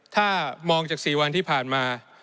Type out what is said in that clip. ถ้ามองจาก๔วันที่ผ่านมา